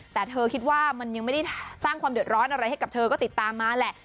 แต่เธอคิดว่ามันยังไม่ได้สร้างความเดือดร้อนอะไรให้กับเธอก็ติดตามมาแหละ